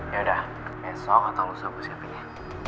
yaudah besok atau lo sabu siapin ya